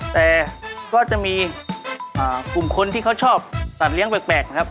แต่ก็จะมีกลุ่มคนที่เขาชอบสัตว์เลี้ยงแปลกนะครับ